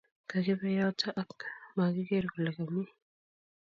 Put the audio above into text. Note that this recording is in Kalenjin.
kakibe yoto ak makiger kole kamii